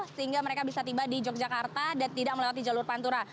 sehingga mereka bisa tiba di yogyakarta dan tidak melewati jalur pantura